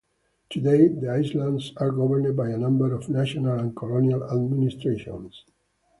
Today the Islands are governed by a number of national and colonial administrations.